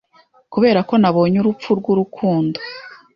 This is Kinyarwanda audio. Kuberako nabonye urupfu rwurukundo…